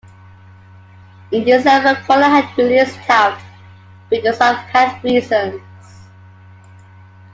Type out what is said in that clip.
In December Korihait release Taft, because of health reasons.